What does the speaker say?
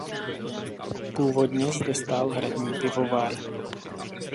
Původně zde stál hradní pivovar.